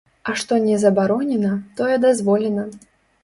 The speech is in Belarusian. А што не забаронена, тое дазволена.